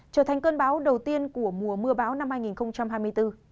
trở thành cơn bão đầu tiên của mùa mưa bão năm hai nghìn hai mươi bốn